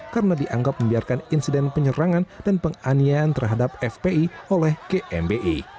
karena dianggap membiarkan insiden penyerangan dan penganian terhadap fpi oleh kmbi